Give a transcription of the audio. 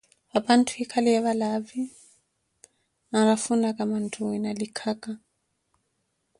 papantthu eekhaliye valaavi anrafunaka manthuwi na likhaka.